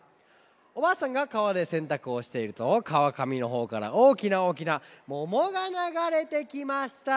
おばあさんがかわでせんたくをしているとかわかみのほうからおおきなおおきなももがながれてきました。